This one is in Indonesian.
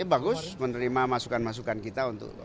bagus menerima masukan masukan kita untuk